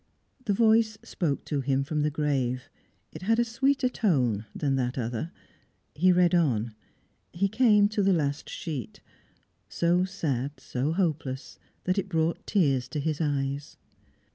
The voice spoke to him from the grave; it had a sweeter tone than that other. He read on; he came to the last sheet so sad, so hopeless, that it brought tears to his eyes.